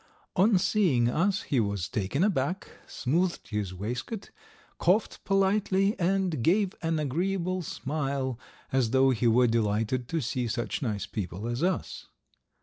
On seeing us he was taken aback, smoothed his waistcoat, coughed politely, and gave an agreeable smile, as though he were delighted to see such nice people as us.